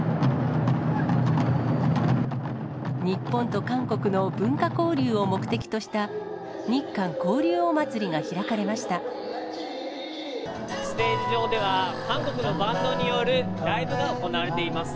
日本と韓国の文化交流を目的とした、ステージ上では、韓国のバンドによるライブが行われています。